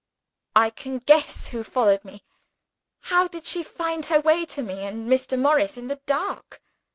I can guess who followed me. How did she find her way to me and Mr. Morris, in the dark?"